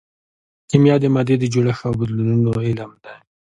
کیمیا د مادې د جوړښت او بدلونونو علم دی.